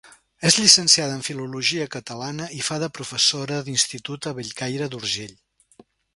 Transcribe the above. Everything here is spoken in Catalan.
És llicenciada en Filologia Catalana i fa de professora d'institut a Bellcaire d'Urgell.